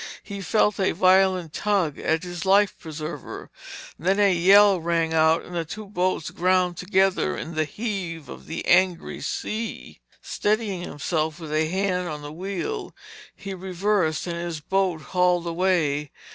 He felt a violent tug at his life preserver. Then a yell rang out and the two boats ground together in the heave of the angry sea. Steadying himself with a hand on the wheel, he reversed and his boat hauled away.